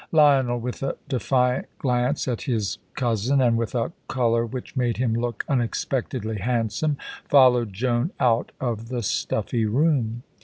Lionel, with a defiant glance at his cousin, and with a colour which made him look unexpectedly handsome, followed Joan out of the stuffy room.